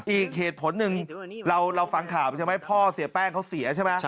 อีกเหตุผลหนึ่งเราฟังข่าวใช่ไหมพ่อเสียแป้งเขาเสียใช่ไหม